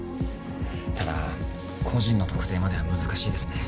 ただ個人の特定までは難しいですね。